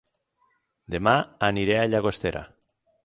Dema aniré a Llagostera